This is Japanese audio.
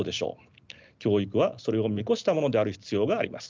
教育はそれを見越したものである必要があります。